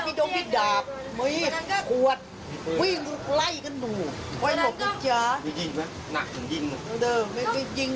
มียิงไหมหนักถึงยิง